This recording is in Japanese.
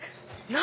何？